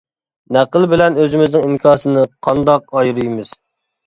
نەقىل بىلەن ئۆزىمىزنىڭ ئىنكاسىنى قانداق ئايرىيمىز.